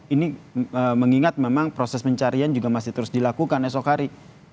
ini mengingat memang proses pencarian juga masih terus dilakukan esok hari